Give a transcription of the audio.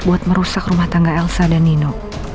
buat merusak rumah tangga elsa dan nino